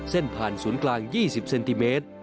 เส้นผ่านศูนย์กลาง๒๐เซนติเมตร